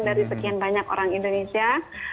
dari sekian banyak orang indonesia